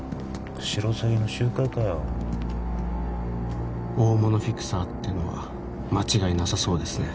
シロサギの集会かよ大物フィクサーってのは間違いなさそうですね